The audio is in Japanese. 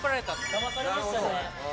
だまされましたね。